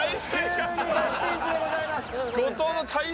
急に大ピンチでございます。